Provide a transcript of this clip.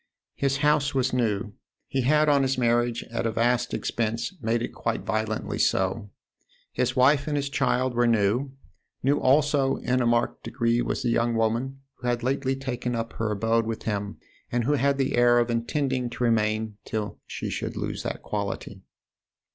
His house was new he had on his marriage, at a vast expense, made it quite violently so. His wife and his child were new; new also in a marked degree was the young woman who had lately taken up her abode with him and who had the air of intending to remain till she should lose that quality.